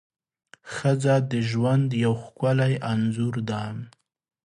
ښځه د ژوند یو ښکلی انځور ده.